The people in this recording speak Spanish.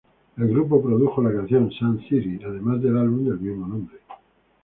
El grupo produjo la canción "Sun City", además del álbum del mismo nombre.